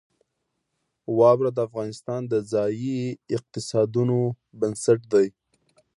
واوره د افغانستان د ځایي اقتصادونو بنسټ دی.